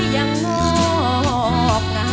อย่างมอบน้ำ